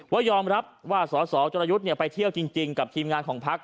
ว่ายอมรับว่าสสจรยุทธ์ไปเที่ยวจริงกับทีมงานของพัก